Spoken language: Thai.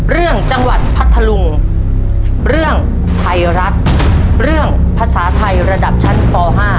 เรื่องไทรัฐเรื่องภาษาไทยระดับชั้นป๕